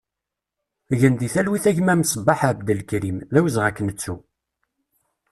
Gen di talwit a gma Mesbaḥ Abdelkrim, d awezɣi ad k-nettu!